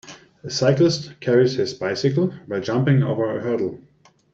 A cyclist carries his bicycle while jumping over a hurdle.